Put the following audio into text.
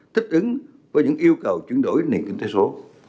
thích ứng với những yêu cầu chuyển đổi nền kinh tế số